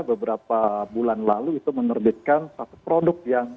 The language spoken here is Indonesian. beberapa bulan lalu itu menerbitkan satu produk yang